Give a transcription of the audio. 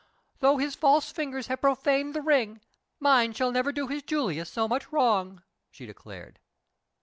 Though his false finger have profaned the ring, mine shall never do his Julia so much wrong," she declared.